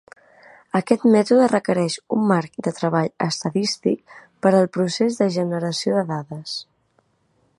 Aquest mètode requereix un marc de treball estadístic per al procés de generació de dades.